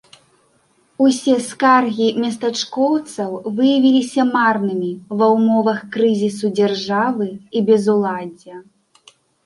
Усе скаргі местачкоўцаў выявіліся марнымі ва ўмовах крызісу дзяржавы і безуладдзя.